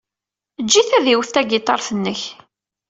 Eǧǧ-it ad iwet tagiṭart-nnek.